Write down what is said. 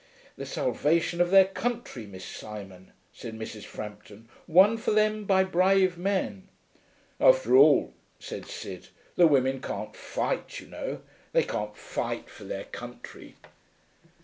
'The salvation of their country, Miss Simon,' said Mrs. Frampton, 'won for them by brave men.' 'After all,' said Sid, 'the women can't fight, you know. They can't fight for their country.'